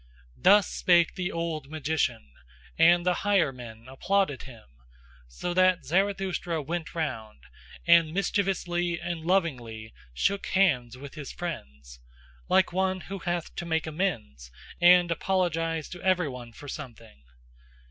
Thus spake the old magician, and the higher men applauded him; so that Zarathustra went round, and mischievously and lovingly shook hands with his friends, like one who hath to make amends and apologise to every one for something.